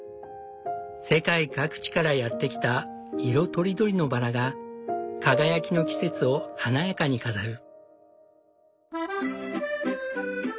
世界各地からやってきた色とりどりのバラが輝きの季節を華やかに飾る。